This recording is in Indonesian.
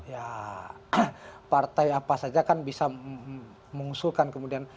ya partai apa saja kan bisa mengusulkan kemudian